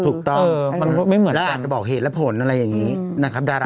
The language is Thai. ถูกต้องเออมันไม่เหมือนกันแล้วอาจจะบอกเหตุและผลอะไรอย่างงี้นะครับดารา